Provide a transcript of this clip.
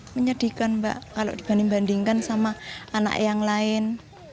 menyedihkan mbak kalau dibanding bandingkan sama anak yang lain